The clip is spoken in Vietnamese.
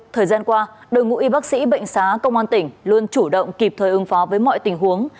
thời gian qua đội ngũ y bác sĩ bệnh xá công an tỉnh luôn chủ động kịp thời ứng phó với mọi tình huống